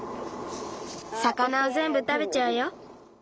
さかなをぜんぶたべちゃうよ。